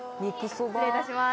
失礼いたします